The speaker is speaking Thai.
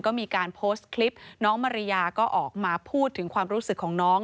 ก็มีการโพสต์คลิปน้องมาริยาก็ออกมาพูดถึงความรู้สึกของน้อง